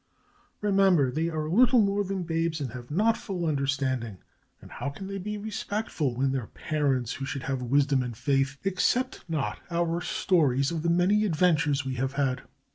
"Remember they are little more than babes and have not full understanding. And how can they be respectful when their parents, who should have wisdom and faith, accept not our stories of the many adventures we have had?